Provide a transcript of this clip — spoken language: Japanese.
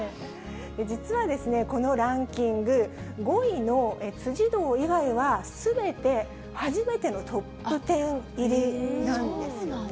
実はですね、このランキング、５位の辻堂以外は、すべて初めてのトップ１０入りなんですよね。